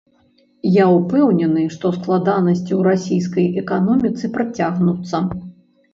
Я ўпэўнены, што складанасці ў расійскай эканоміцы працягнуцца.